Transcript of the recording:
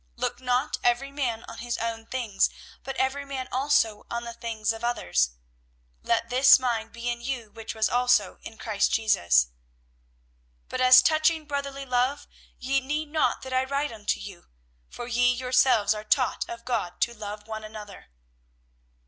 Look not every man on his own things, but every man also on the things of others. Let this mind be in you which was also in Christ Jesus. "'But as touching brotherly love ye need not that I write unto you; for ye yourselves are taught of God to love one another.